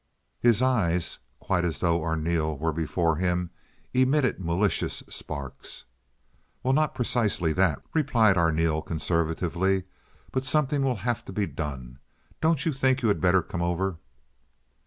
His eyes, quite as though Arneel were before him, emitted malicious sparks. "Well, not precisely that," replied Arneel, conservatively; "but something will have to be done. Don't you think you had better come over?"